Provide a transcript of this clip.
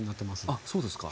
あっそうですか。